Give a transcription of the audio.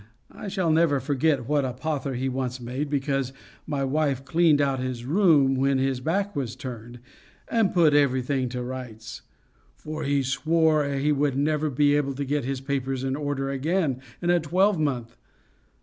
I shall never forget what a pother he once made, because my wife cleaned out his room when his back was turned, and put everything to rights; for he swore he would never be able to get his papers in order again in a twelve month.